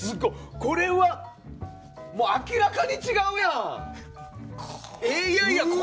これは明らかに違うやん！